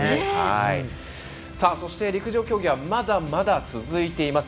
そして、陸上競技はまだまだ続いています。